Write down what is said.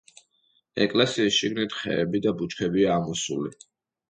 ეკლესიის შიგნით ხეები და ბუჩქებია ამოსული.